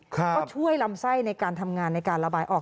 ก็ช่วยลำไส้ในการทำงานในการระบายออก